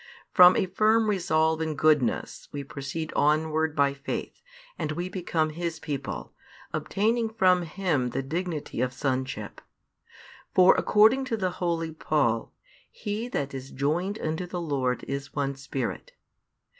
From a firm resolve in goodness we proceed onward by faith, and we become His people, obtaining from Him the dignity of Sonship. For according to the holy Paul, He that is joined unto the Lord is one Spirit.